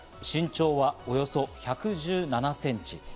身長はおよそ１１７センチ。